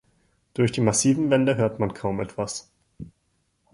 Durch die massiven Wände hört man kaum etwas.